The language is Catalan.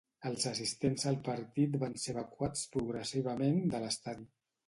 Els assistents al partit van ser evacuats progressivament de l'estadi.